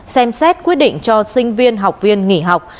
xem xét quyết định cho sinh viên học viên nghỉ học